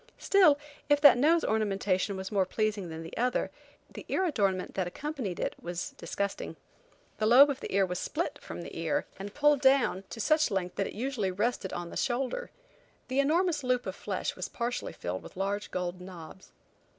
Still, if that nose ornamentation was more pleasing than the other, the ear adornment that accompanied it was disgusting. The lobe of the ear was split from the ear, and pulled down to such length that it usually rested on the shoulder. The enormous loop of flesh was partially filled with large gold knobs.